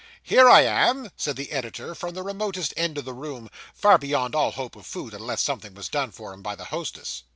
'Here I am,' said the editor, from the remotest end of the room; far beyond all hope of food, unless something was done for him by the hostess.